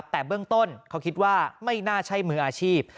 แต่เบื้องต้นเขาคิดว่าไม่น่าใช่มืออาชีพ